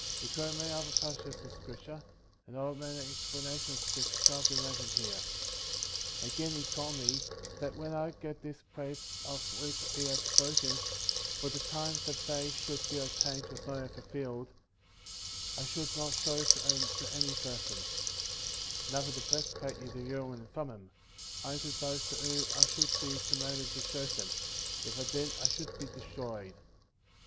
He quoted many other passages of scripture, and offered many expla nations which cannot be mentioned here. 42. Again, he told me, that when I got those plated of which he had spoken — for the time that they should be obtained was not yet fulfilled — I should not show them to any person; neither the breastplate with the Urim and Thummim; only to those to whom I should be commanded to show them; if I did I should be destroyed.